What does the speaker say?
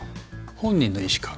本人の意思か